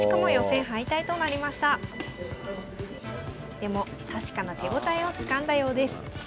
でも確かな手応えをつかんだようです。